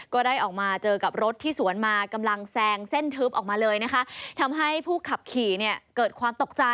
ก็ได้ออกมาเจอกับรถที่สวนมากำลังแซงเส้นทึบออกมาเลยนะคะ